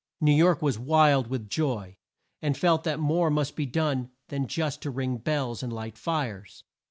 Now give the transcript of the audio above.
New York was wild with joy, and felt that more must be done than just to ring bells and light fires.